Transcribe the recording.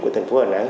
của thành phố hà nẵng